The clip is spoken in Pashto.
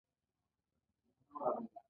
په توره یې پر سر وواهه او مړ یې کړ.